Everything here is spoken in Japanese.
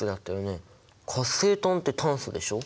活性炭って炭素でしょ？